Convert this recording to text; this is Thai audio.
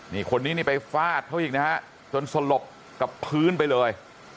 นี่คนนี้นี่ไปฟาดเขาอีกนะฮะจนสลบกับพื้นไปเลย